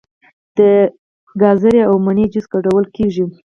د ګازرې او مڼې جوس ګډول کیږي.